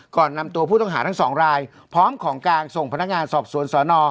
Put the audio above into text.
ก่อนนำตัวผู้ต้องหาทั้งสองรายพร้อมของกลางส่งพนักงานสอบสวนสน